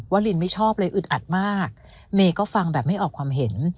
ลินไม่ชอบเลยอึดอัดมากเมย์ก็ฟังแบบไม่ออกความเห็น